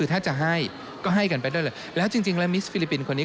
ถ้าจะให้ก็ให้กันไปด้วยเลยแล้วจริงแล้วมิสฟิลิปปินส์คนนี้